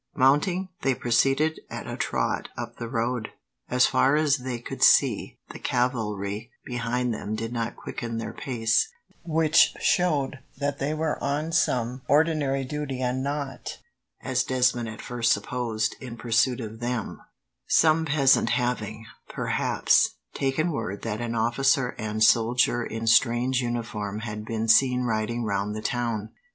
Mounting, they proceeded at a trot up the road. As far as they could see, the cavalry behind them did not quicken their pace, which showed that they were on some ordinary duty and not, as Desmond at first supposed, in pursuit of them, some peasant having, perhaps, taken word that an officer and soldier in strange uniform had been seen riding round the town.